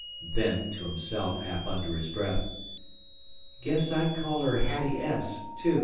Then to himself, half under his breath, "Guess I'd call her Hattie S., too."